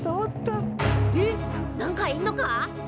えっ！？なんかいんのか！？